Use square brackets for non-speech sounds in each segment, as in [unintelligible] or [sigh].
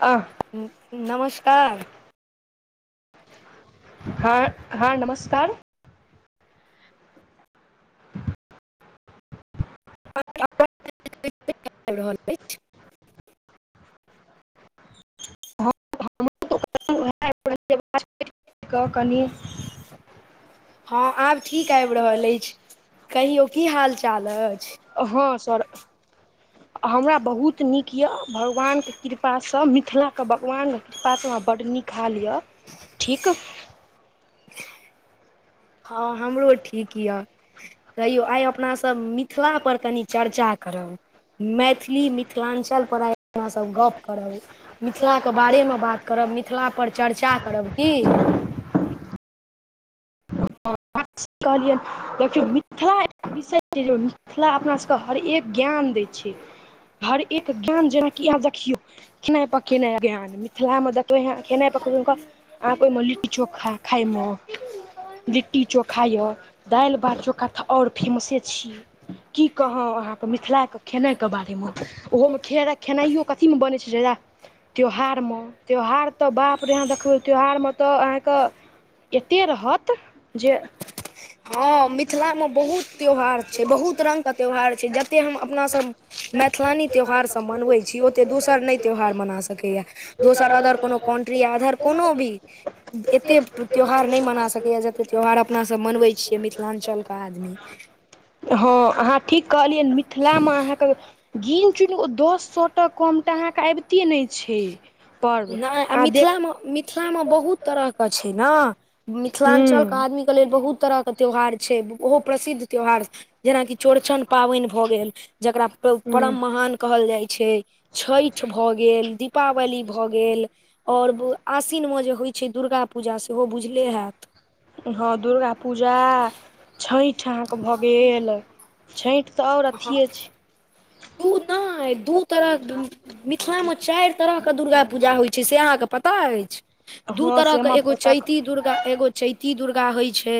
अह नमस्कार हँ हँ नमस्कार [unintelligible] [unintelligible] हँ आब ठीक आबि रहल अछि कहियौ की हाल चाल अछि हँ सर हमरा बहुत नीक यए भगवानके कृपासँ मिथिला क भगवानक कृपासँ हमरा बड्ड नीक हाल यऽ ठीक हँ हमरो ठीक य कहियौ आइ अपना सब मिथिला पर कनि चर्चा करब मैथिली मिथिलाञ्चल पर आइ अपना सब गप करब मिथिलाके बारेमे बात करब मिथिला पर चर्चा करब की [unintelligible] कहलियनि देखियौ मिथिला विषय छै जे मिथिला अपना सबके हर एक ज्ञान दै छै हर एक ज्ञान जेनाकि आब देखियौ खेनाय पकेनाय ज्ञान मिथिला मे त [unintelligible] आ को मे लिट्टी चोखा खाए मे लिट्टी चोखा य दालि भात चोखा तऽ आओर फेमसे छीयै की कहौ अहाँके मिथिलाके खेनाइ के बारेमे ओहोमे खेरा खेनाइयो कथी मे बनै छै जादा त्यौहार म त्यौहार तऽ बाप रे अहाँ देखबै त्यौहारमे तऽ अहाँक एते रहत जे हँ मिथिलामे बहुत त्यौहार छै बहुत रंगके त्यौहार छै जते हम अपना सब मैथलानी त्यौहारसब मनबै छी ओते दोसर नै त्यौहार मना सकैए दोसर अगर कोनो कोन्ट्री या अधर कोनो भी एते त्योहार नै मना सकैया जते त्यौहार अपना सब मनबै छियै मिथिलाञ्चलके आदमी हँ अहाँ ठीक कहलियै मिथिलामे अहाँके गीन चुन दस सए ट टम तऽ अहाँके आबिते नै छै पर्व नै आ देख मिथिलामे मि मिथिला मे बहुत तरह के छै न हूँ मिथिलांचल क आदमी क लेल बहुत तरह के त्यौहार छै ओहो प्रसिद्ध त्यौहार जेनाकि चौड़चन पाबनि भऽ गेल जकरा हूँ परम महान कहल जाइ छै छईठ भए गेल दीपावली भऽ गेल आओर आशीन मे जे होइ छै दुर्गा पूजा सेहो बुझले हेएत हँ दुर्गा पूजा छईठ अहाँके भऽ गेल छठि तऽ आओर अथिये छै तू नै दू तरह मिथिलामे चारि तरहके दुर्गा पूजा होइ छै से अहाँके पता अछि दू हँ तरहके सामा एगो पता चैती दुर्गा एगो चैती दुर्गा होइ छै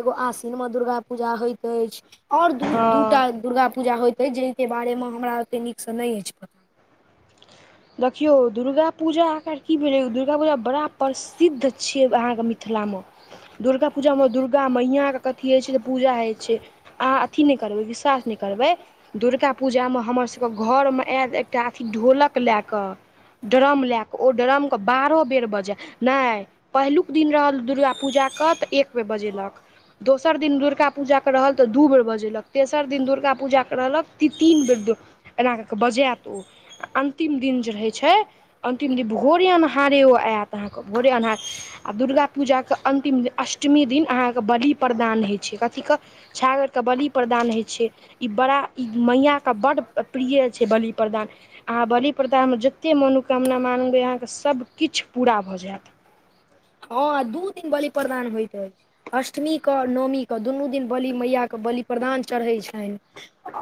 एगो आसिन म दुर्गा पूजा होइत अइछ आओर दूर दू हँ दुर्गा पूजा होइत अय जिनका बारेमे हमरा ओते नीकसँ नै अछि पता देखियौ दुर्गा पूजा आकार की भेलै दुर्गा पूजा बड़ा प्रसिद्ध छियै अहाँके मिथिलामे दुर्गा पूजाम दुर्गा मैंयाके कथी होय छै तऽ पूजा होय छै अहाँ अथी नै करबै विश्वास नै करबै दुर्गा पूजामे हमरसबक घरमे ऐत एकटा अथी ढोलक लए कऽ ड्रम लए कऽ ओ ड्रमके बारह बेर बजै नै पहिलुक दिन रहल दुर्गा पूजाक तऽ एक बेर बजेलक दोसर दिन दुर्गा पूजाके रहल तऽ दू बेर बजेलक तेसर दिन दुर्गा पूजाके रहलक ती तीन बेर एना कऽ कऽ बजैत ओ आ अन्तिम दिन जे रहै छै अन्तिम दिन भोरे अन्हारे ओ ऐत अहाँकेँ भोरे अन्हारे आ दुर्गा पूजा कऽ अन्तिम अष्टमी दिन अहाँकेँ बलि प्रदान होइ छै कथीक छागर कऽ बलि प्रदान हइ छै ई बड़ा ई मैया केँ बड प्रिय छै बलि प्रदान अहाँ बलि प्रदामे जतेक मनोकामना मांगबै अहाँकेँ सबकिछ पूरा भऽ जैत हँ दू दिन बलि प्रदान होइत ऐछ अष्टमीक नओमीक दुनू दिन बलि मैया कऽ बलि प्रदान चढ़ै छैन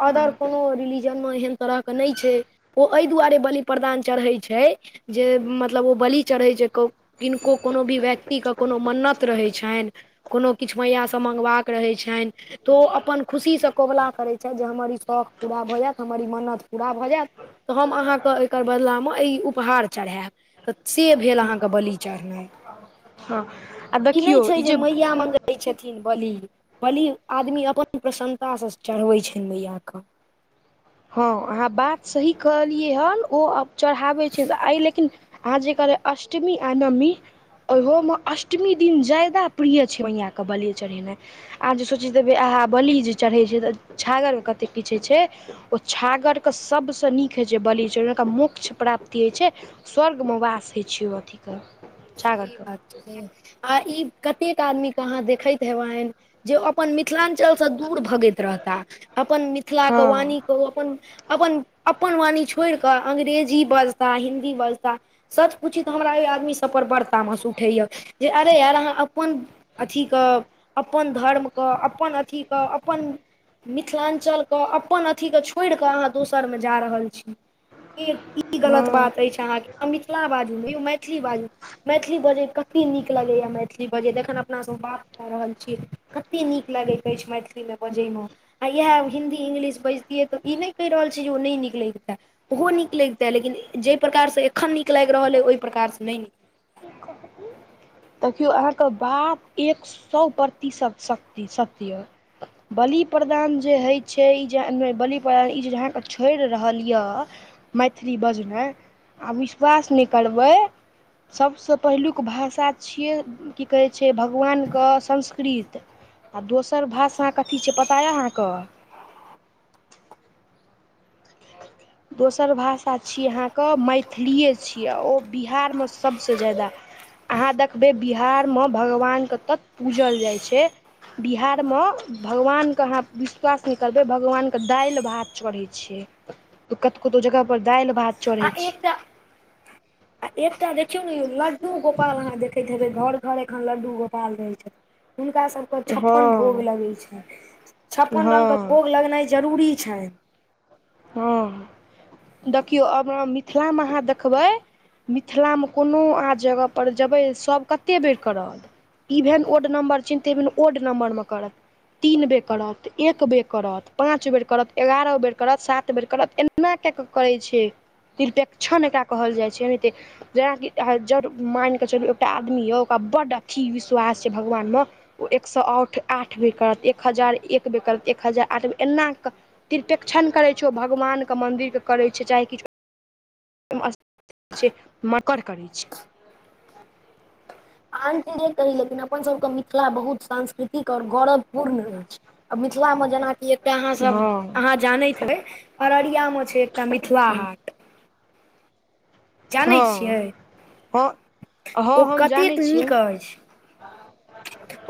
अदर कोनो रिलीजनम एहन तरह कऽ नै छै ओ अय दुआरे बलि प्रदान चढ़ै छै जे मतलब ओ बलि चढ़ै छै किनको कोनो भी व्यक्तिक कोनो मन्नत रहै छैन कोनो किछ मयासँ मंगबाक रहै छैन तऽ ओ अपन खुशीसँ कोबला करै छैथ जे हमर ई शौख पूरा भऽ जैत हमर ई मन्नत पूरा भऽ जैत तऽ हम अहाँकेँ एकर बदलामे ई उपहार चरहैब तऽ से भेल अहाँकेँ बलि चढ़नाइ हँ ई नै छै जे मैया मंगै छथिन बलि बलि आदमी अपन प्रसन्नतासँ चढ़बै छैन मैया कऽ हँ अहाँ बात सही कहलियै हन ओ अप चढ़ाबै छै आइ लेकिन अहाँ जे कहलिय अष्टमी आ नमी ओहोम अष्टमी दिन ज्यादा प्रिय छै मया कऽ बलि चढ़ेनाइ अहाँ जे सोचित हेबै अहा बलि जे चढ़ै छै तऽ छागर कतेक किछ होइ छै ओ छागरक सबसँ नीक होइ छै बलि चढ़ेमे ओकरा मोक्ष प्राप्ति होइ छै स्वर्गम वास होइ छै ओ अथी तऽ सही बात छै आ ई कतेक आदमी कऽ अहाँ देखैत हेबैन जे अप अपन मिथिलांचलसँ दूर भगैत रहता अपन मिथिलाक हँ वाणी ओ अपन अपन अपन वाणी छोड़ि कऽ अंग्रेजी बजता हिंन्दी बजता सच पूछित हमरा ओइ आदमी सबपर वर तामस उठैए जे अरे यार अहाँ अपन अथीक अपन धर्म कऽ अपन अथी कऽ अपन मिथिलांचलक अपन अथीकेँ छोड़ि कऽ अहाँ दोसरमे जा रहल छी [inaudible] ई ई हँ गलत बात अइछ अहाँकेँ यो मिथिला बाजू यो मैथिली बाजू मैथिली बजै कते नीक लगैए मैथिली बजै जखन अपनासब बात कऽ रहल छी कते नीक लगैत अइछ मैथिलीमे बजै मऽ आ इएह हिंदी इंग्लिश बजितियै तऽ ई नै कहि रहल छि‌ जे ओ नै निकलैगतै ओहो नीक लैगतै लेकिन जइ प्रकारसँ एखन नीक लागि रहल अ ओइ प्रकारसँ नै नीक [unintelligible] देखियौ अहाँकेँ बात एक सौ प्रतिशत शक्ति सत्य यऽ बलि प्रदान जे हइ छैय ई जे बलि प्रदान ई जे अहाँकेँ छोड़ि रहल यऽ मैथिली बजनाइ आ विश्वास नै करबै सभसँ पहिलुक भाषा छियै की कहै छै भगवान कऽ संस्कृत आ दोसर भाषा कथी छै पता यऽ अहाँकेँ [inaudible] दोसर भाषा छी अहाँ कऽ मैथिलिए छी आ ओ बिहार म सभसँ ज्यादा अहाँ देखबै बिहारम भगवान कऽ तत पूजल जाइ छै बिहार म भगवान कऽ अहाँ विश्वास नै करबै भगवान कऽ दाइल भात चढ़ै छै। छी तऽ कतो कतो जगह पर दाइल भात आ चढ़ै छै एकटा आ एकटा देखियौ नऽ यौ लड्डू गोपाल अहाँ देखैत हेबै घर - घर एखन लड्डू गोपाल रहै छथि हुनका सभ कऽ छप्पन भोग हँ लगै छैन छप्पन रंग कऽ हँ भोग लगनाइ जरूरी छैन हँ देखियौ आब अ - मिथिला मऽ अहाँ देखबै मिथिला मऽ कोनो अहाँ जगहपर जेबै सभ कते बेर करत। ई भेलन ओड नम्बर चिन्तेे बिन ओड नम्बर मऽ करत तीन बेर करत एक बेर करत पाँच बेर करत एगारह बेर करत सात बेर करत एना केँ कऽ करै छै त्रिपेक्षण एकरा कहल जाइ छै एनाहिते जेनाकि जर मानि कऽ चलू एकटा आदमी यऽ ओकरा बड्ड अथि विश्वास छै भगवान मऽ ओ एक सौ आउठ आठ बेर करत एक हजार एक बे करत एक हजार आठ बेर एन कऽ त्रिपेक्षण करै छै ओ भगवान कऽ मन्दिर कऽ करै छै चाहे कि [unintelligible] मक्कर करै छै आन ठिन जे कहि लेकिन अपनसभ कऽ मिथिला बहुत सांस्कृतिक आओर गौरवपूर्ण अछि। अ मिथिला मे जेना की एक तऽ अहाँ सब हँ अहाँ जानैत ह हेबै अररिया मऽ छै एकटा मिथिला हँ हाट जानै हँ छियै हँ ओ हम जानै कतेक छियै नीक अछि।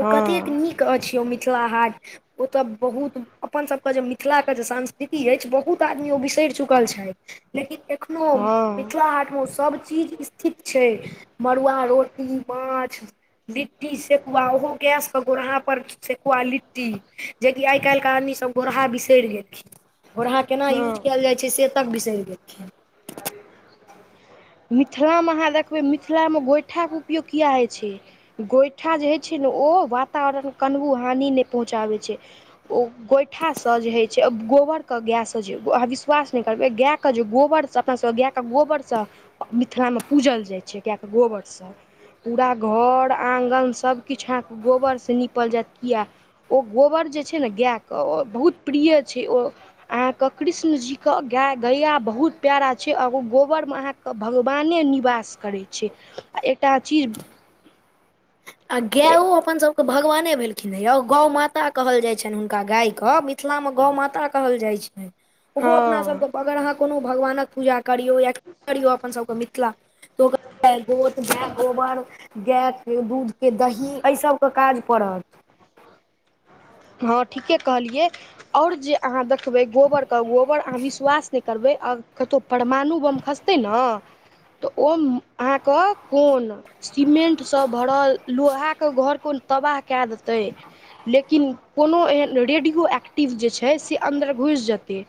ओ हँ कतेक नीक अछि ओ मिथिला हाट ओ तऽ बहुत अपन सभ कऽ जे मिथिला कऽ जे संस्कृति अछि बहुत आदमी ओ बिसैर चुकल छैथ लेकिन एखनो ओ हँ मिथिला हाट मऽ ओ सभ चीज स्थित छै मड़ुआ रोटी माछ लिट्टी सेकुआ ओहो गैस गोड़हा पर सेकुआ लिट्टी जेकी आइ काइल केँ आदमी सब गोड़हा बिसैर गेलखिन। गोरहा केना यूज हँ कैल जाइ छै से तक बिसैर गेलखिन [inaudible] मिथिला मऽ अहाँ देखबै मिथिला मऽ गोइठा कऽ उपयोग किया आइ छै। गोइठा जे होइ छै नऽ ओ वातावरण कनबो हानि नय पहुँचाबै छै। ओ गोइठासँ जे होइ छै गोबर कऽ गाएसँ जे अहाँ विश्वास नय करबै गाए कऽ जे गोबरसँ अपना सब गाए कऽ गोबरसँ मिथिलामे पूजल जाइ छै गाए कऽ गोबरसँ पूरा घर आंगन सभकिछ अहाँ कऽ गोबरसँ निपल जैत किया ओ गोबर जे छै नऽ गाए कऽ बहुत प्रिय छै ओ अहाँ कऽ कृष्ण जी कऽ गाए गैया बहुत प्यारा छै आ ओ गोबर मे अहाँ कऽ भगवाने निवास करै छै आ एकटा चीज आ गाओ अपन सब केँ भगवाने भेल खिन नऽ यौ गौ माता कहल जाइ छैन हुनका गाय कऽ मिथिला मऽ गौ माता कहल जाइ छै। ओहो अपना सभ हँ कऽ अगर अहाँ कोनो भगवानक पूजा करियौ या करियौ अपन सभ कऽ मिथिला तो [unintelligible] गोत गैय गोबर गैय केँ दूध केँ दही एय सबकेँ काज पड़त हँ ठीके कहलियै आओर जे अहाँ देखबै गोबर कऽ गोबर अहाँ विश्वास नय करबै आओर कतो परमाणु बम खसतै नऽ तऽ ओ अहाँ कऽ कोन सीमेंट सँ भरल लोहा कऽ घर कोन तबाह कैय देतै लेकिन कोनो एहेन रेडियो एक्टिव जे छै से अन्दर घुइस जेतै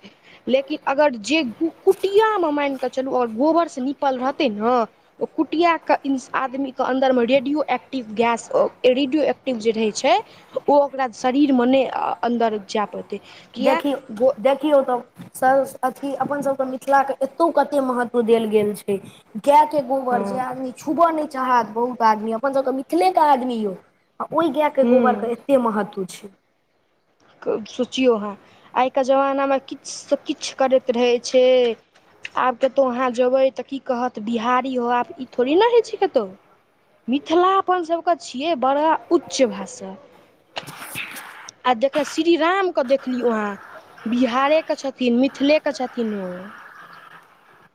लेकिन अगर जे कु - कुटियामे माइन कऽ चलू अगर गोबरसँ निपल रहतै नऽ ओ कुटिया कऽ ई आदमी कऽ अन्दर मऽ रेडियो एक्टिव गैस ओ - रेडियो एक्टिव जे रहै छै। ओ ओकरा शरीरमे नहि अन्दर जाय पड़तै किए देखियौ गो देखियौ तऽ स अथी अपन सबके मिथिला के एतौ कते महत्व देल गेल छैय। गायके गोबर हँ जे आदमी छुबय नहि चाहत बहुत आदमी अपन सभके मिथिलेके आदमी यौ। आ ओहि गायके गोबरके हूँ एते महत्व छैय। सोचियौ अहँ आइके जमानामे किछुसँ किछु करैत रहै छैय। आब कतहु अहाँ जेबै तऽ की कहत बिहारी हो आब ई थोड़े ने होइ छैय कतहु। मिथिला अपनसभके छियै बड़ा उच्च भाषा। आ देख श्री रामके देखलीयौ अहाँ बिहारेके छथिन मिथिलेके छथिन ओ। [inaudible]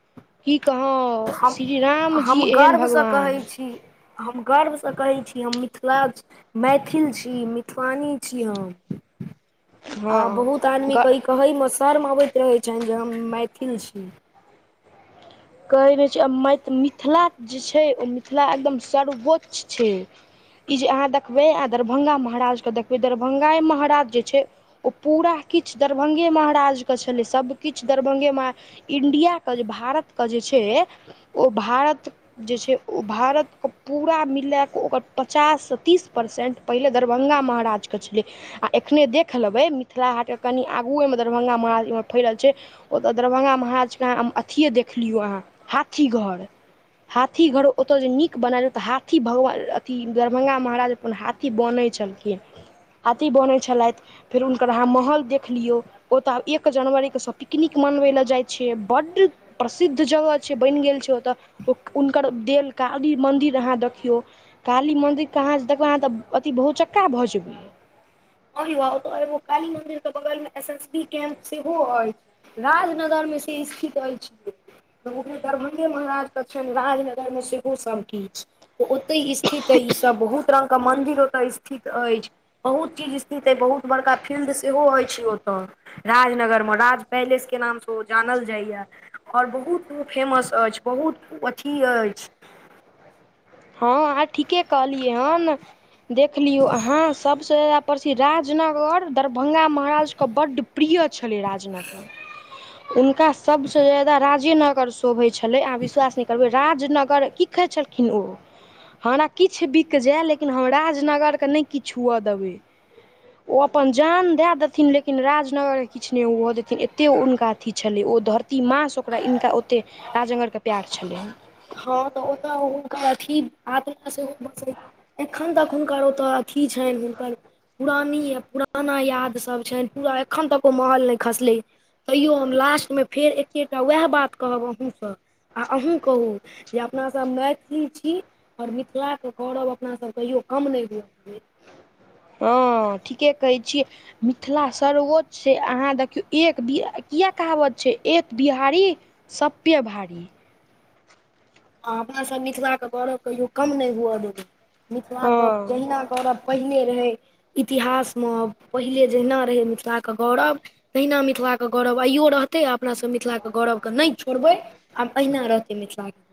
की कहाँ हम हम गर्वसँ कहै छी हम गर्वसँ कहै छी हम मिथिला मैथिल छी मिथिलानी छी हम। आ हँ बहुत आदमीेके ई कहैमे शर्म अबैत रहैत छनि जे हम मैथिल छी। कहैत रहै छैय आ मै मिथिला जे छैय ओ मिथिला एकदम सर्वोच्च छैय। ई जे अहाँ देखबै आ दरभंगा महाराज के देखबै दरभंगा महाराज जे छैय ओ पूरा किछु दरभंगे महाराजके छलै सभकिछु दरभंगे म इण्डियाके जे भारतके जे छैय ओ भारत जे छैय ओ भारतके पूरा मिला कऽ ओकर पचाससँ तीस परसेन्ट पहिले दरभङ्गा महाराजके छलै। आ एखने देख लेबै मिथिला हाटके कनि आगू एहिमे दरभंगा माजमे फैल छैय। ओतय दरभंगा महाराजके अथिए देख लियौ अहाँ हाथी घर। हाथी घर ओतऽ जे नीक बनायल तऽ हाथी भगवान अथी दरभङ्ंगा महाराज अपन हाथी बान्है छलखिन हाथी बान्है छलथि फेर हुनकर अहाँ महल देख लियौ। ओतय एक जनवरीके सभ पिकनिक मनबै लए जाइत छैय बड्ड प्रसिद्ध जगह छैय बनि गेल छैय ओतऽ हुनकर देल काली मन्दिर अहाँ देखियौ। काली मन्दिरके अहाँ देखबै अहाँ तऽ अथी बहुचक्का भऽ जेबै। आओर ए काली मंदिर के बगल मे एस एस बी कैम्प सेहो अछि। राजनगरमे से स्थित अछि। ओ दरभङ्ंगे महाराजके छनि राजनगरमे सेहो सब किछु। ओते स्थित अय ई सब बहुत रंगग के मंदिर ओते स्थित अछि बहुत चीज बहुत बड़का फील्ड सेहो हय छैय ओते राजनगर में राज पैलेस के नाम से जानल जाइए आओर बहुत ओ फेमस अछि बहुत ओ अथी अछि। हँ आ ठीके कहलियै हन देख लियौ अहाँ सबसँ परसी राजनगर दरभंगा महाराजके बड्ड प्रिय छलै राजनगर। हुनका सबसे जयदा राजे नगर शोभे छले अहाँ विश्वास न करबय राज नगर की कहै छलखिन ओ हमरा किछु बित जाय लेकिन हम राजनगरके नहि किछु हुअ देबै। ओ अपन जान दए देथिन लेकिन राजनगर के किछु नहि ओ देथिन एते हुनका अथी छलै ओ धर ती मासे ओकरा हिनका ओतेक राजगरके प्यार छलै। हँ तऽ ओतऽ हुनकर अथी आत्मा सेहो बसै एखन तक हुनकर ओतऽ थी छनि हुनकर। पुरानी य पुराना यादसभ छैनि पूरा एखन तक ओ महल नहि खसलै। तैयो हम लास्टमे फेर एकेटा उएह बात कहब अहूँसँ आ अहूँ कहू जे अपनासभ मैथिली छी और मिथिला कऽ गौरव अपनासभ कहियो कम नै हु अ देबै हँ ठीकेँ कहै छियै मिथिला सर्वोच्च छै अहाँ देखियौ एक बि किया कहावत छै एक बिहारी सभ पे भारी आ अपना सभ मिथिला कऽ गैरव कहियो कम नै हुअ दबै मिथिला कऽ हँ जहिने गैरव पहिने रहै इतिहास म पहिले जहिना रहै मिथिला कऽ गौरव तहिना मिथिला गौरव आइयो रहत ते अपना सब मिथिला कऽ गौरव कऽ नै छोड़बै आब अहिना रहतै मिथिला कऽ